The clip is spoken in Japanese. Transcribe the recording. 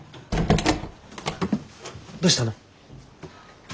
どうしたの？